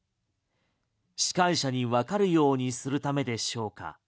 司会者にわかるようにするためでしょうか？